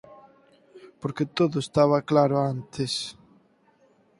Porque todo estaba claro antes…